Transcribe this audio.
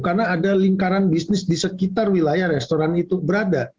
karena ada lingkaran bisnis di sekitar wilayah restoran itu berada